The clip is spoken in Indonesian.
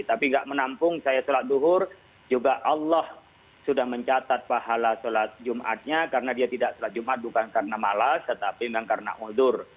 tapi tidak menampung saya sholat duhur juga allah sudah mencatat pahala sholat jumatnya karena dia tidak sholat jumat bukan karena malas tetapi memang karena uldur